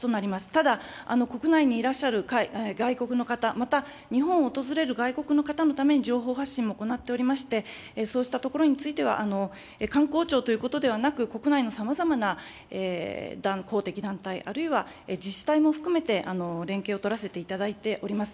ただ、国内にいらっしゃる外国の方、また日本を訪れる外国の方のために情報発信も行っておりまして、そうしたところについては、観光庁ということではなく、国内のさまざまな公的団体、あるいは自治体も含めて連携を取らせていただいております。